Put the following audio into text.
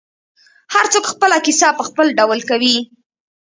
هر څوک خپله کیسه په خپل ډول کوي.